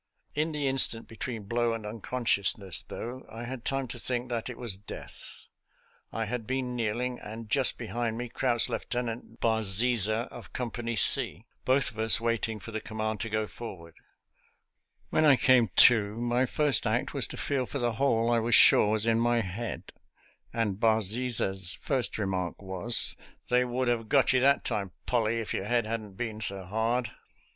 In the instant between blow and uncon sciousness, though, I had time to think that it was death. I had been kneeling, and just behind me crouched Lieutenant Barziza, of Company C, both of us waiting for the command to go for ward. When I came to, my first act was to feel for the hole I was sure was in my head, and Barziza's first remark was, " They would have 60 SOLDIER'S LETTERS TO CHARMING NELLIE got you that time, PoUey, if your head hadn't been so hard."